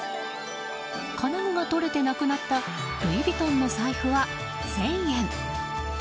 金具が取れてなくなったルイ・ヴィトンの財布は１０００円。